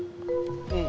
うん。